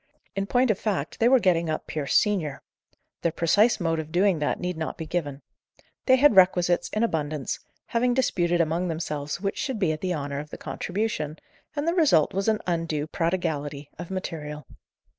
In point of fact, they were getting up Pierce senior. Their precise mode of doing that need not be given. They had requisites in abundance, having disputed among themselves which should be at the honour of the contribution, and the result was an undue prodigality of material.